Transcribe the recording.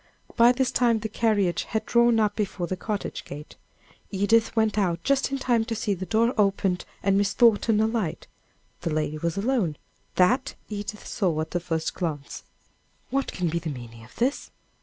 By this time the carriage had drawn up before the cottage gate. Edith went out just in time to see the door opened, and Miss Thornton alight. The lady was alone that Edith saw at the first glance. "What can be the meaning of this?"